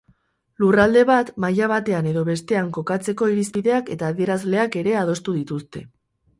Lurralde bat maila batean edo bestean kokatzeko irizpideak eta adierazleak ere adostu dituzte.